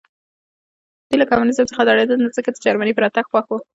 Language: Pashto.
دوی له کمونیزم څخه ډارېدل نو ځکه د جرمني په راتګ خوښ وو